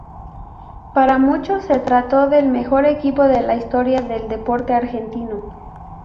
Para muchos, se trató del ""mejor equipo de la historia del deporte argentino"".